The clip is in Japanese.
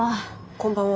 こんばんは。